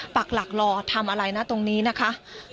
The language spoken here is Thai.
ปากหลักรอทำอะไรนะตรงนี้นะคะ